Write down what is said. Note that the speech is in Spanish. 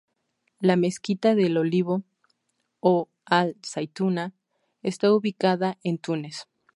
La mezquita del Olivo o "Al-Zaytuna", está ubicada en Túnez.